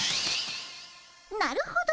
なるほど！